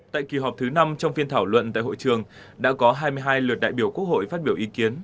tại kỳ họp thứ năm trong phiên thảo luận tại hội trường đã có hai mươi hai lượt đại biểu quốc hội phát biểu ý kiến